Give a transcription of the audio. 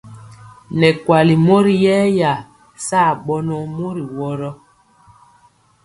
Nɛ kuali mori yɛya saa bɔnɔ mori woro.